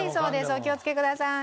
お気をつけください。